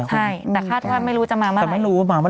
แต่ทหารไม่รู้จะมาเมื่อไร